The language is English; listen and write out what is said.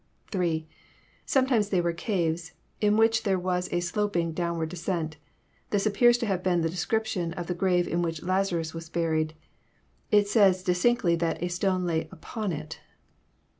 (3) Sometimes they were caves in which there was a sloping, downward descent. This appears to have been the description of grave in which Lazarus was buried. It says distinctly tliat *' a stone lay upon it."